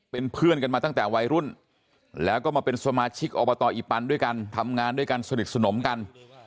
เป็นเพื่อนกันมาตั้งแต่วัยรุ่นแล้วก็มาเป็นสมาชิกอบตอีปันด้วยกันทำงานด้วยกันสนิทสนมกัน